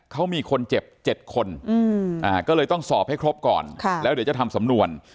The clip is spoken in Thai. เขามีคนเจ็บ๗คนก็เลยต้องสอบให้ครบก่อนแล้วเดี๋ยวจะทำสำนวน